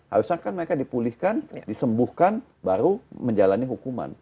harusnya kan mereka dipulihkan disembuhkan baru menjalani hukuman